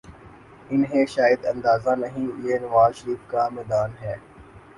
انہیں شاید اندازہ نہیں یہ نواز شریف کا میدان ہے۔